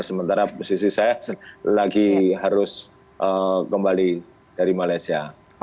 sementara posisi saya lagi harus kembali dari malaysia